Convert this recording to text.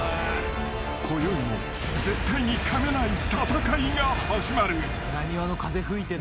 ［こよいも絶対にかめない戦いが始まる］